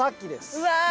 うわ！